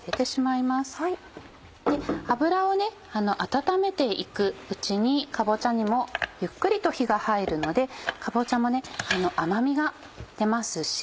油を温めて行くうちにかぼちゃにもゆっくりと火が入るのでかぼちゃも甘みが出ますし。